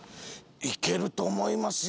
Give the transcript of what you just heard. いけると思いますよ。